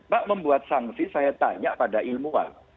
pak membuat sanksi saya tanya pada ilmuwan